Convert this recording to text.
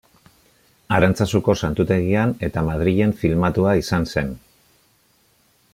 Arantzazuko santutegian eta Madrilen filmatua izan zen.